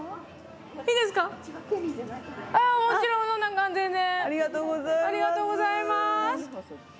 もちろんそんなん全然。